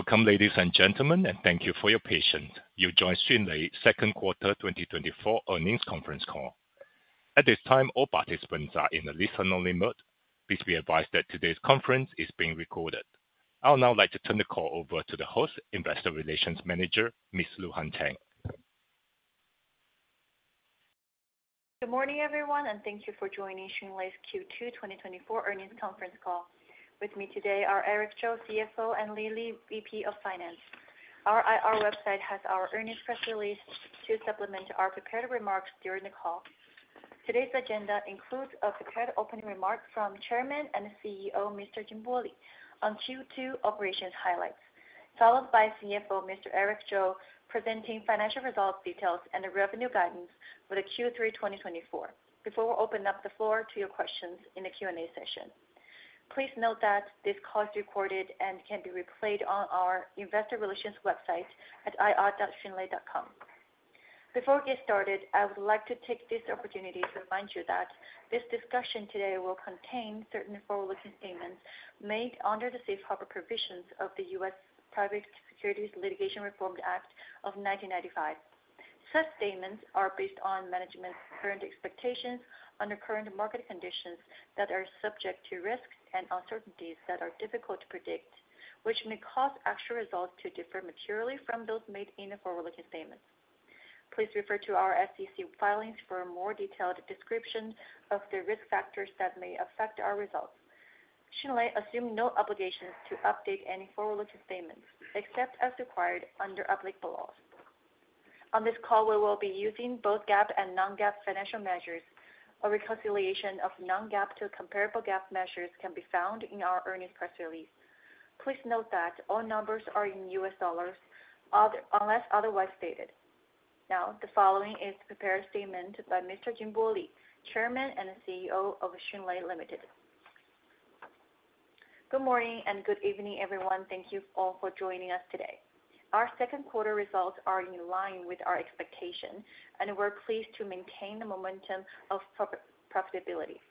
Welcome, ladies and gentlemen, and thank you for your patience. You've joined Xunlei second quarter 2024 earnings conference call. At this time, all participants are in a listen-only mode. Please be advised that today's conference is being recorded. I would now like to turn the call over to the host, Investor Relations Manager, Miss Luhan Tang. Good morning, everyone, and thank you for joining Xunlei's Q2 2024 earnings conference call. With me today are Eric Zhou, CFO, and Li Li, VP of Finance. Our IR website has our earnings press release to supplement our prepared remarks during the call. Today's agenda includes a prepared opening remark from Chairman and CEO, Mr. Jinbo Li, on Q2 operations highlights, followed by CFO, Mr. Eric Zhou, presenting financial results, details, and the revenue guidance for the Q3 2024, before we open up the floor to your questions in the Q&A session. Please note that this call is recorded and can be replayed on our investor relations website at ir.xunlei.com. Before we get started, I would like to take this opportunity to remind you that this discussion today will contain certain forward-looking statements made under the Safe Harbor provisions of the U.S. Private Securities Litigation Reform Act of 1995. Such statements are based on management's current expectations under current market conditions that are subject to risks and uncertainties that are difficult to predict, which may cause actual results to differ materially from those made in the forward-looking statements. Please refer to our SEC filings for a more detailed description of the risk factors that may affect our results. Xunlei assumes no obligations to update any forward-looking statements, except as required under applicable laws. On this call, we will be using both GAAP and Non-GAAP financial measures. A reconciliation of Non-GAAP to comparable GAAP measures can be found in our earnings press release. Please note that all numbers are in US dollars unless otherwise stated. Now, the following is the prepared statement by Mr. Jinbo Li, Chairman and CEO of Xunlei Limited. Good morning and good evening, everyone. Thank you all for joining us today. Our second quarter results are in line with our expectations, and we're pleased to maintain the momentum of profitability.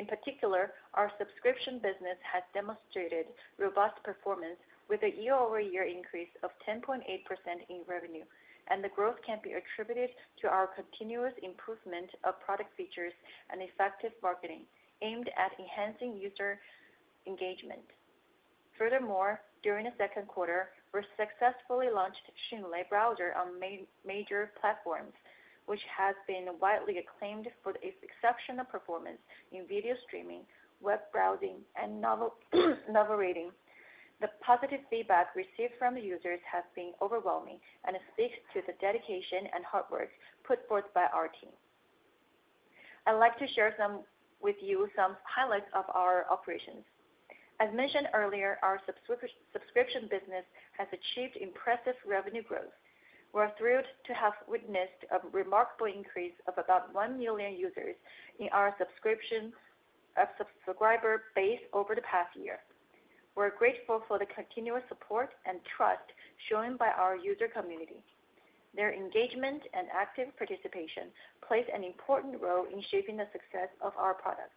In particular, our subscription business has demonstrated robust performance with a year-over-year increase of 10.8% in revenue, and the growth can be attributed to our continuous improvement of product features and effective marketing aimed at enhancing user engagement. Furthermore, during the second quarter, we successfully launched Xunlei Browser on major platforms, which has been widely acclaimed for its exceptional performance in video streaming, web browsing, and novel reading. The positive feedback received from the users has been overwhelming and speaks to the dedication and hard work put forth by our team. I'd like to share with you some highlights of our operations. As mentioned earlier, our subscription business has achieved impressive revenue growth. We're thrilled to have witnessed a remarkable increase of about 1 million users in our subscription subscriber base over the past year. We're grateful for the continuous support and trust shown by our user community. Their engagement and active participation plays an important role in shaping the success of our products.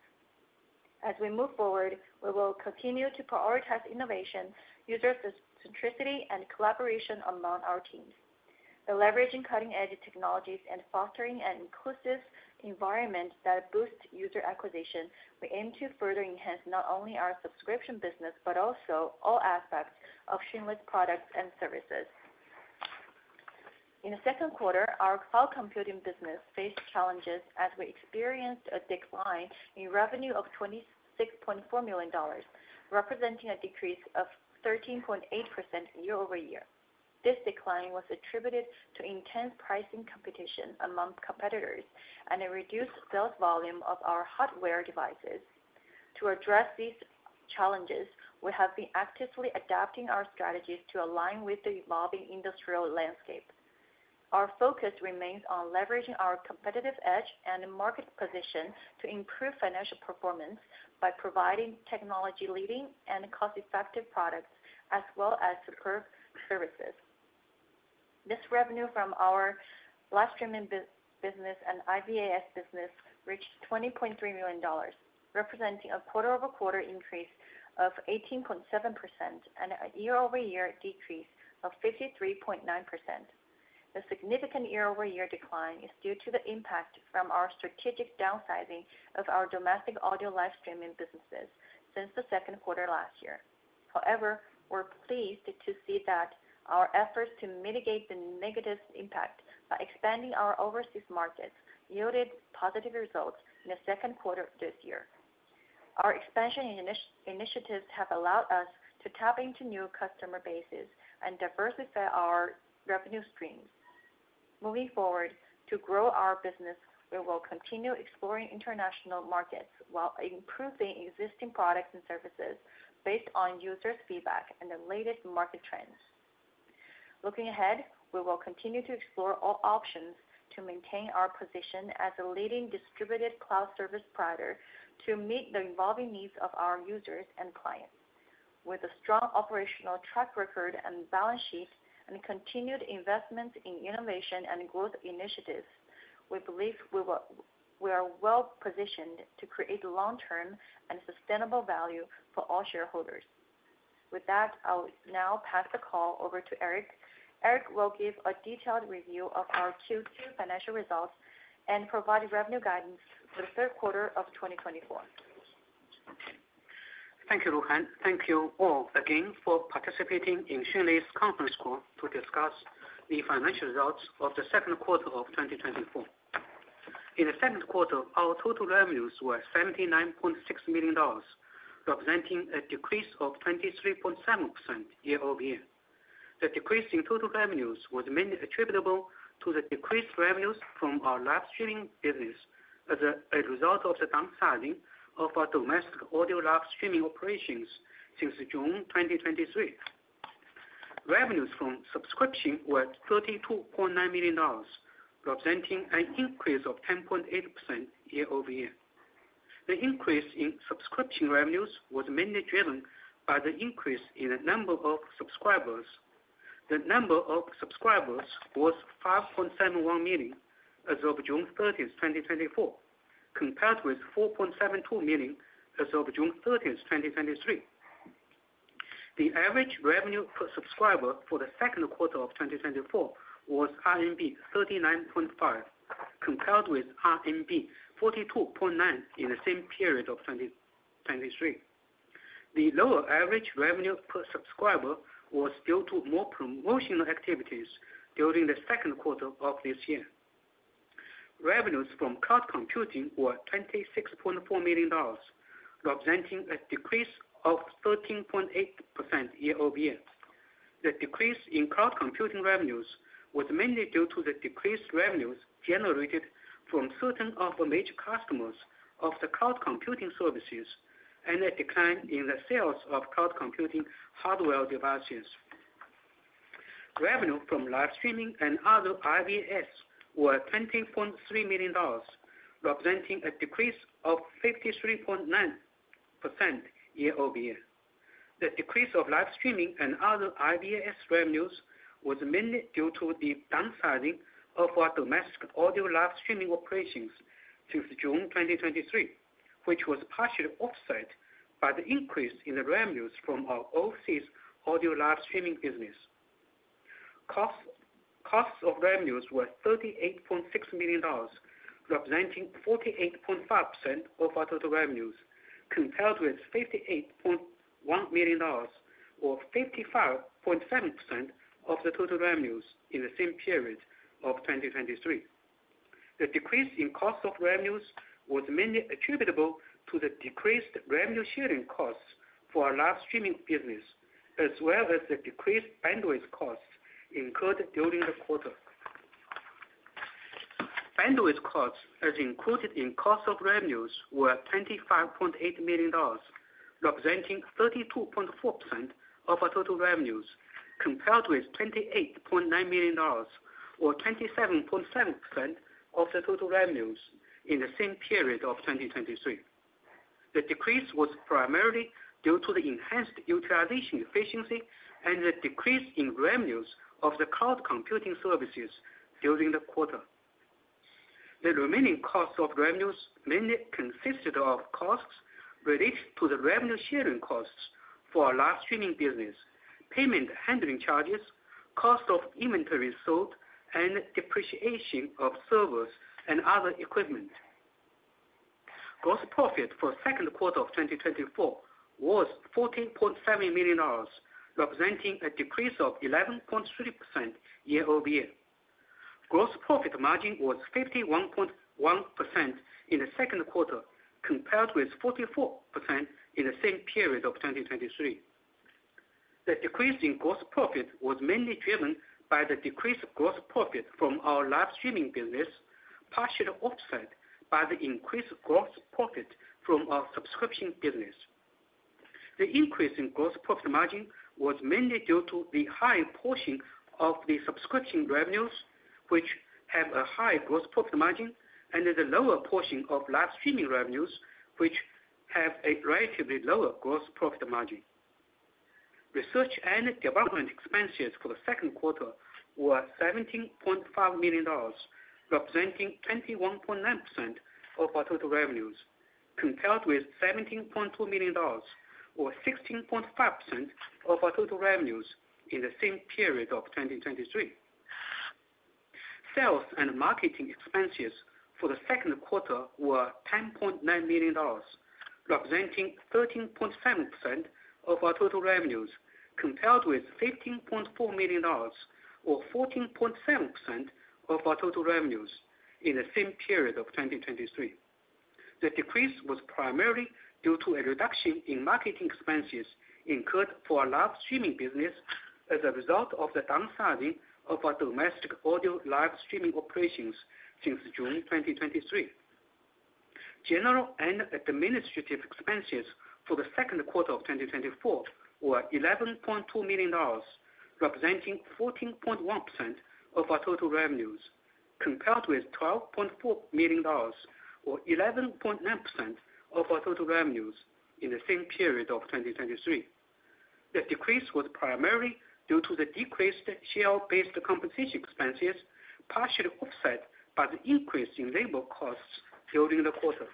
As we move forward, we will continue to prioritize innovation, user centricity, and collaboration among our teams. By leveraging cutting-edge technologies and fostering an inclusive environment that boosts user acquisition, we aim to further enhance not only our subscription business, but also all aspects of Xunlei's products and services. In the second quarter, our cloud computing business faced challenges as we experienced a decline in revenue of $26.4 million, representing a decrease of 13.8% year-over-year. This decline was attributed to intense pricing competition among competitors and a reduced sales volume of our hardware devices. To address these challenges, we have been actively adapting our strategies to align with the evolving industrial landscape. Our focus remains on leveraging our competitive edge and market position to improve financial performance by providing technology leading and cost-effective products as well as superb services. This revenue from our live streaming business and IaaS business reached $20.3 million, representing a quarter-over-quarter increase of 18.7% and a year-over-year decrease of 53.9%. The significant year-over-year decline is due to the impact from our strategic downsizing of our domestic audio live streaming businesses since the second quarter last year. However, we're pleased to see that our efforts to mitigate the negative impact by expanding our overseas markets yielded positive results in the second quarter of this year. Our expansion initiatives have allowed us to tap into new customer bases and diversify our revenue streams. Moving forward, to grow our business, we will continue exploring international markets while improving existing products and services based on users' feedback and the latest market trends. Looking ahead, we will continue to explore all options to maintain our position as a leading distributed cloud service provider to meet the evolving needs of our users and clients. With a strong operational track record and balance sheet and continued investment in innovation and growth initiatives,... We believe we will, we are well positioned to create long-term and sustainable value for all shareholders. With that, I'll now pass the call over to Eric. Eric will give a detailed review of our Q2 financial results and provide revenue guidance for the third quarter of 2024. Thank you, Luhan. Thank you all again for participating in Xunlei's conference call to discuss the financial results of the second quarter of 2024. In the second quarter, our total revenues were $79.6 million, representing a decrease of 23.7% year-over-year. The decrease in total revenues was mainly attributable to the decreased revenues from our live streaming business as a result of the downsizing of our domestic audio live streaming operations since June 2023. Revenues from subscription were $32.9 million, representing an increase of 10.8% year-over-year. The increase in subscription revenues was mainly driven by the increase in the number of subscribers. The number of subscribers was 5.71 million as of June 30, 2024, compared with 4.72 million as of June 30, 2023. The average revenue per subscriber for the second quarter of 2024 was RMB 39.5, compared with RMB 42.9 in the same period of 2023. The lower average revenue per subscriber was due to more promotional activities during the second quarter of this year. Revenues from cloud computing were $26.4 million, representing a decrease of 13.8% year-over-year. The decrease in cloud computing revenues was mainly due to the decreased revenues generated from certain of our major customers of the cloud computing services, and a decline in the sales of cloud computing hardware devices. Revenue from live streaming and other IVAS were $20.3 million, representing a decrease of 53.9% year-over-year. The decrease of live streaming and other IVS revenues was mainly due to the downsizing of our domestic audio live streaming operations since June 2023, which was partially offset by the increase in the revenues from our overseas audio live streaming business. Costs of revenues were $38.6 million, representing 48.5% of our total revenues, compared with $58.1 million or 55.7% of the total revenues in the same period of 2023. The decrease in cost of revenues was mainly attributable to the decreased revenue sharing costs for our live streaming business, as well as the decreased bandwidth costs incurred during the quarter. Bandwidth costs, as included in cost of revenues, were $25.8 million, representing 32.4% of our total revenues, compared with $28.9 million or 27.7% of the total revenues in the same period of 2023. The decrease was primarily due to the enhanced utilization efficiency and the decrease in revenues of the cloud computing services during the quarter. The remaining costs of revenues mainly consisted of costs related to the revenue sharing costs for our live streaming business, payment handling charges, cost of inventory sold, and depreciation of servers and other equipment. Gross profit for second quarter of 2024 was $14.7 million, representing a decrease of 11.3% year-over-year. Gross profit margin was 51.1% in the second quarter, compared with 44% in the same period of 2023. The decrease in gross profit was mainly driven by the decreased gross profit from our live streaming business, partially offset by the increased gross profit from our subscription business. The increase in gross profit margin was mainly due to the high portion of the subscription revenues, which have a high gross profit margin, and the lower portion of live streaming revenues, which have a relatively lower gross profit margin. Research and development expenses for the second quarter were $17.5 million, representing 21.9% of our total revenues, compared with $17.2 million or 16.5% of our total revenues in the same period of 2023. Sales and marketing expenses for the second quarter were $10.9 million, representing 13.7% of our total revenues, compared with $15.4 million or 14.7% of our total revenues in the same period of 2023. The decrease was primarily due to a reduction in marketing expenses incurred for our live streaming business as a result of the downsizing of our domestic audio live streaming operations since June 2023. General and administrative expenses for the second quarter of 2024 were $11.2 million, representing 14.1% of our total revenues, compared with $12.4 million or 11.9% of our total revenues in the same period of 2023. The decrease was primarily due to the decreased share-based compensation expenses, partially offset by the increase in labor costs during the quarter.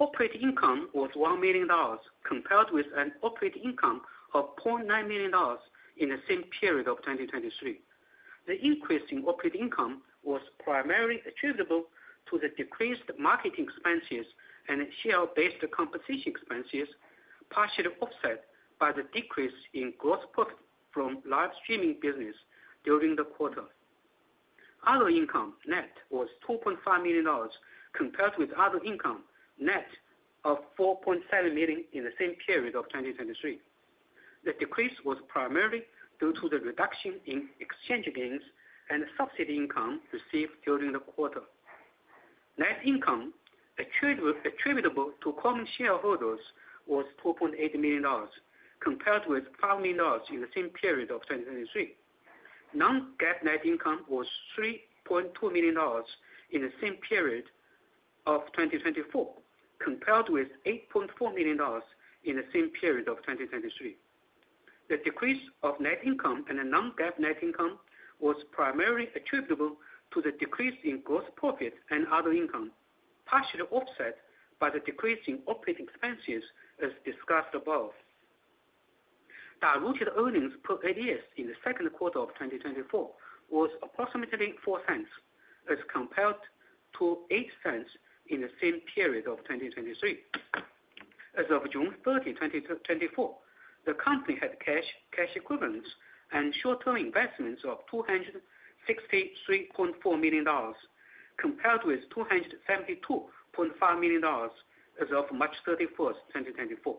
Operating income was $1 million, compared with an operating income of $0.9 million in the same period of 2023. The increase in operating income was primarily attributable to the decreased marketing expenses and share-based compensation expenses, partially offset by the decrease in gross profit from live streaming business during the quarter. Other income net was $2.5 million, compared with other income net of $4.7 million in the same period of 2023. The decrease was primarily due to the reduction in exchange gains and subsidy income received during the quarter. Net income attributable to common shareholders was $2.8 million, compared with $5 million in the same period of 2023. Non-GAAP net income was $3.2 million in the same period of 2024, compared with $8.4 million in the same period of 2023. The decrease of net income and the Non-GAAP net income was primarily attributable to the decrease in gross profit and other income, partially offset by the decrease in operating expenses, as discussed above. Diluted earnings per ADS in the second quarter of 2024 was approximately $0.04, as compared to $0.08 in the same period of 2023. As of June 30, 2024, the company had cash, cash equivalents and short-term investments of $263.4 million, compared with $272.5 million as of March 31, 2024.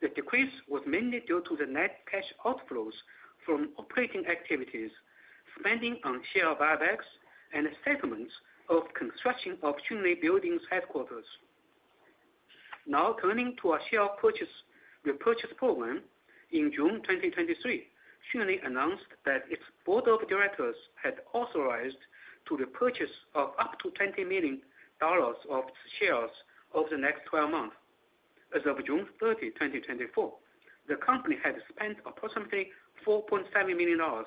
The decrease was mainly due to the net cash outflows from operating activities, spending on share buybacks, and settlements of construction of Xunlei buildings headquarters. Now, turning to our share purchase repurchase program. In June 2023, Xunlei announced that its board of directors had authorized to the purchase of up to $20 million of shares over the next 12 months. As of June 30, 2024, the company had spent approximately $4.7 million on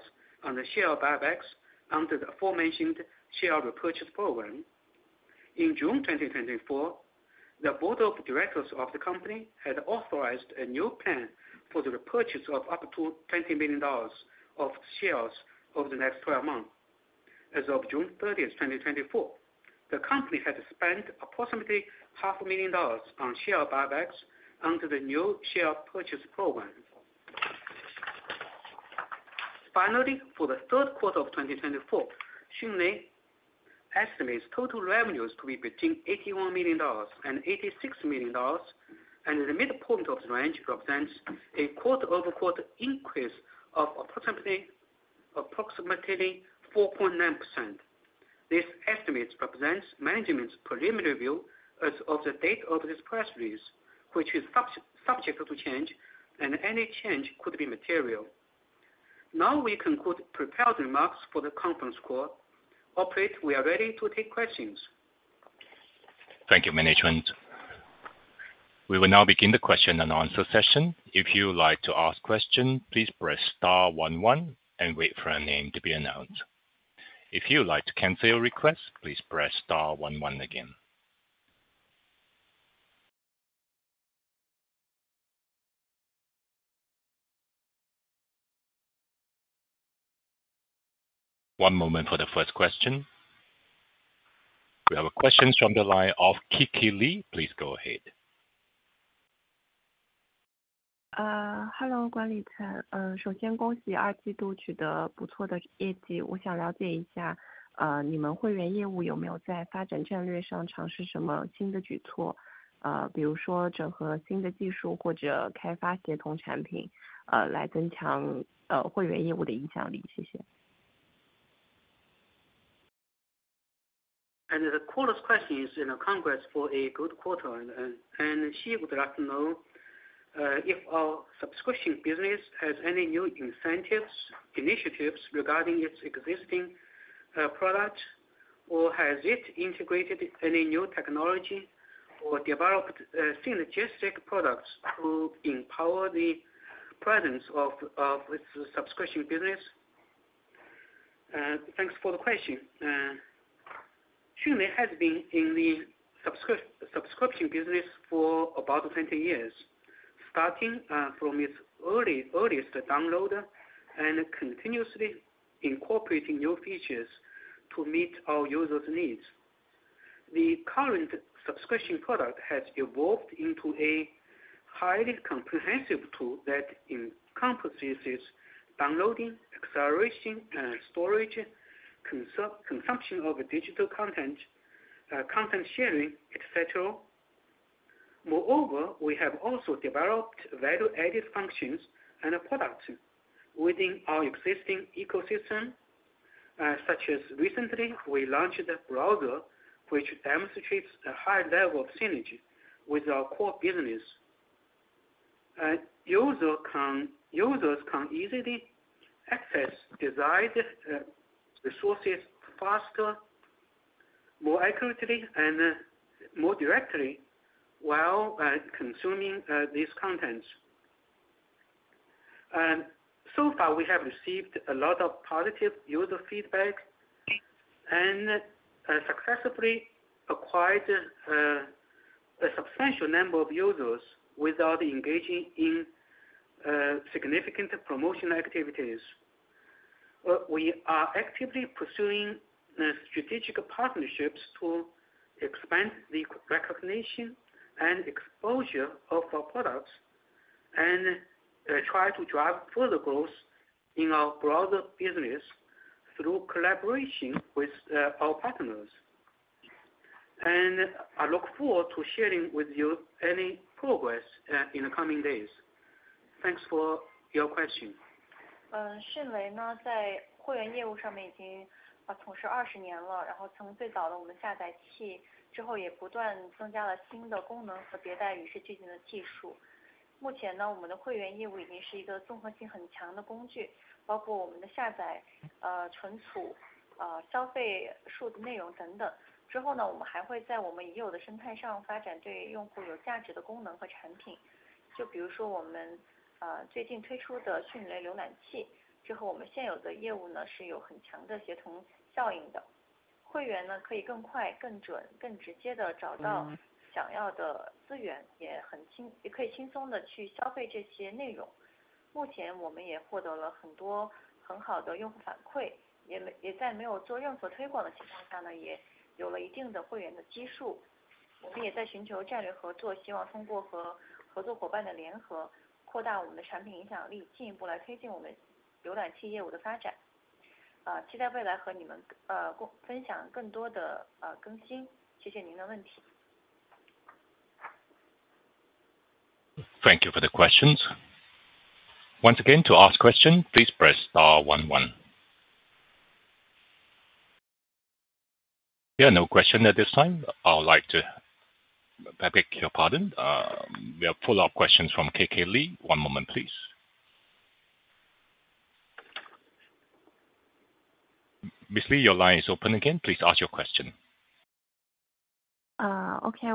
the share buybacks under the aforementioned share repurchase program. In June 2024, the board of directors of the company had authorized a new plan for the repurchase of up to $20 million of shares over the next 12 months. As of June 30, 2024, the company had spent approximately $500,000 on share buybacks under the new share purchase program. Finally, for the third quarter of 2024, Xunlei estimates total revenues to be between $81 million and $86 million, and the midpoint of the range represents a quarter-over-quarter increase of approximately 4.9%. This estimate represents management's preliminary view as of the date of this press release, which is subject to change, and any change could be material. Now, we conclude prepared remarks for the conference call. Operator, we are ready to take questions. Thank you, management. We will now begin the question and answer session. If you would like to ask question, please press star one one and wait for your name to be announced. If you would like to cancel your request, please press star one one again. One moment for the first question. We have a question from the line of Kiki Li. Please go ahead. Hello, And the caller's question is, you know, congrats for a good quarter, and she would like to know if our subscription business has any new incentives, initiatives regarding its existing product, or has it integrated any new technology or developed synergistic products to empower the presence of the subscription business? Thanks for the question. Xunlei has been in the subscription business for about 20 years, starting from its earliest downloader and continuously incorporating new features to meet our users' needs. The current subscription product has evolved into a highly comprehensive tool that encompasses downloading, acceleration, storage, consumption of digital content, content sharing, et cetera. Moreover, we have also developed value-added functions and products within our existing ecosystem, such as recently we launched a browser, which demonstrates a high level of synergy with our core business. Users can easily access desired resources faster, more accurately and more directly while consuming these contents. And so far, we have received a lot of positive user feedback and successfully acquired a substantial number of users without engaging in significant promotion activities. We are actively pursuing strategic partnerships to expand the recognition and exposure of our products, and try to drive further growth in our broader business through collaboration with our partners. And I look forward to sharing with you any progress in the coming days. Thanks for your question. Xunlei now on the membership business has already been engaged for 20 years, then from the earliest our downloader, after that also continuously added new functions and iterations with the times advancing technology. Currently, our membership business is already a very comprehensive tool, including our download, storage, consume book content etc. After that, we will also on our existing ecosystem develop functions and products that have value to users. For example our recently launched Xunlei Browser, this and our existing business have very strong synergistic effects. Members can more quickly, more accurately, more directly find the desired resources, also very light, also can easily go consume these contents. Currently we also obtained many very good user feedbacks, also in no doing any promotion situation under also had certain membership base number. We also in seeking strategic cooperation, hope through and cooperation partners joint, expand our product influence power, further to promote our browser business development. Expect future and you all, together share more updates. Thank you for your question. Thank you for the questions. Once again, to ask question, please press star one, one. There are no question at this time. I would like to. I beg your pardon? We have follow-up questions from Kiki Li. One moment, please. Ms. Li, your line is open again, please ask your question.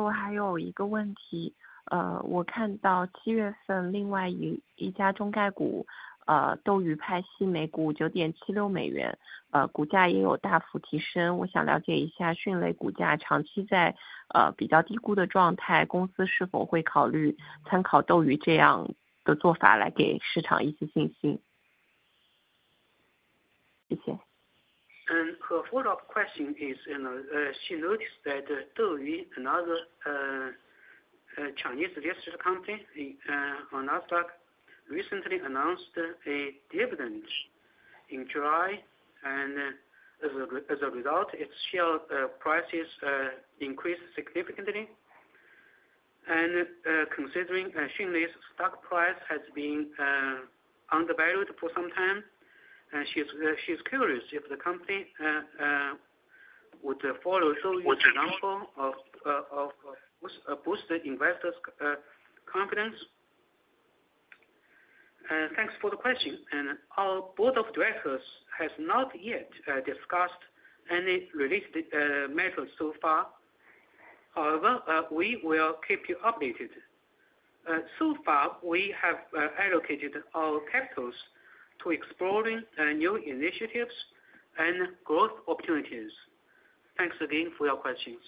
我还有一个问题，我看到七月份另外一家中概股，斗鱼派息每股 $9.76，股价也有大幅提升。我想了解一下迅雷股价长期在比较低估的状态，公司是否会考虑参考斗鱼这样的做法来给市场一些信心？谢谢。And her follow-up question is, you know, she noticed that DouYu, another Chinese registered company in on NASDAQ, recently announced a dividend in July. And as a result, its share prices increased significantly. And considering Xunlei's stock price has been undervalued for some time, and she's curious if the company would follow suit- What's the- -the example of boost investors confidence? Thanks for the question. Our board of directors has not yet discussed any release methods so far. However, we will keep you updated. So far, we have allocated our capitals to exploring new initiatives and growth opportunities. Thanks again for your questions.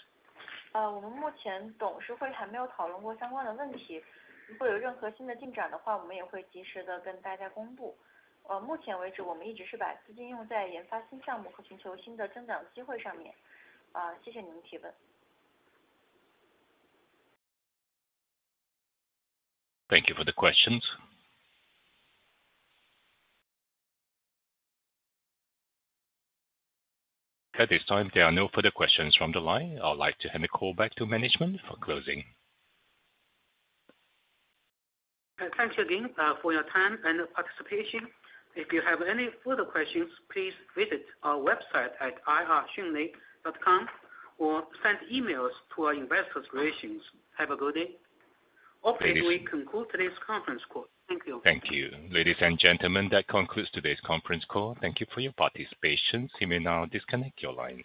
我们目前董事会还没有讨论过相关的问题，如果有任何新的进展的话，我们也会及时地跟大家公布。目前为止，我们一直是用资金用在研发新项目和寻求新的增长机会上面。谢谢您的提问。Thank you for the questions. At this time, there are no further questions from the line. I would like to hand the call back to management for closing. Thanks again for your time and participation. If you have any further questions, please visit our website at ir.xunlei.com or send emails to our investor relations. Have a good day. Ladies- Hopefully, we conclude today's conference call. Thank you. Thank you. Ladies and gentlemen, that concludes today's conference call. Thank you for your participation. You may now disconnect your lines.